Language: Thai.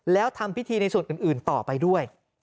แล้วทำพิธีในส่วนอื่นต่อไปด้วย